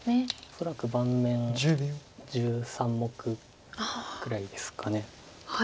恐らく盤面１３目くらいですか。